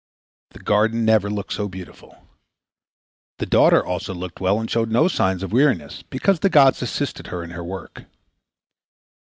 The garden never looked so beautiful. The daughter also looked well and showed no signs of weariness, because the gods assisted her in her work.